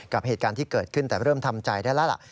กับเหตุการณ์ที่เกิดขึ้นแต่เริ่มทำใจได้แล้วล่ะ